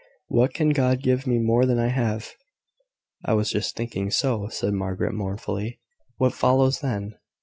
What can God give me more than I have?" "I was just thinking so," replied Margaret, mournfully. "What follows then?"